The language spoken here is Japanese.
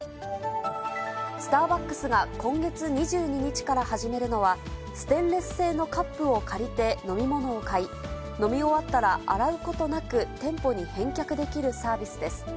スターバックスが今月２２日から始めるのは、ステンレス製のカップを借りて飲み物を買い、飲み終わったら洗うことなく店舗に返却できるサービスです。